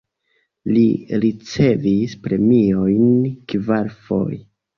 Li ricevis premiojn kvarfoje.